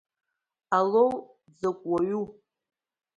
Алоу дзакә уаҩу?